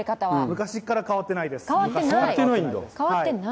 昔から変わってないです。